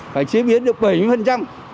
phải chế biến được bảy mươi